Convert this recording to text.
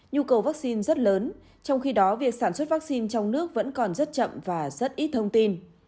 nhu cầu vaccine rất lớn trong khi đó việc sản xuất vaccine trong nước vẫn còn rất chậm và rất ít thông tin